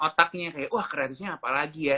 otaknya wah kreatifnya apa lagi ya